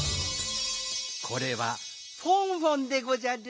これはフォンフォンでごじゃる。